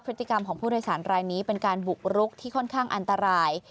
พฤติกรรมของผู้โดยสารรายนี้เป็นการบุกรุกที่ค่อนข้างอันตราย